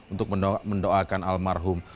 untuk mendoakan almarhum